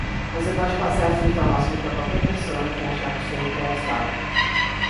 Você pode passar essas informações para qualquer pessoa em quem achar que esteja interessado.